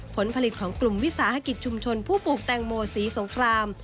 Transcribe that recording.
ผลผลิตของกลุ่มวิสาหกิจชุมชนผู้ปลูกแตงโมสีสงคราม